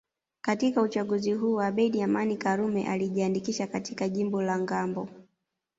Katika uchaguzi huo Abeid Amani Karume alijiandikisha katika jimbo la Ngambo